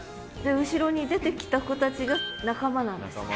後ろに出てきた子たちが仲間なんですか？